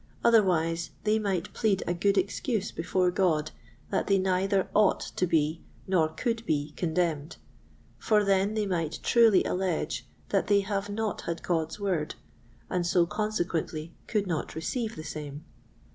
otherwise they might plead a good excuse before God, that they neither ought to be nor could be condemned; for then they might truly allege that they have not had God's Word, and so consequently could not receive the same.